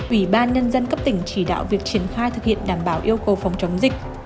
ủy ban nhân dân cấp tỉnh chỉ đạo việc triển khai thực hiện đảm bảo yêu cầu phòng chống dịch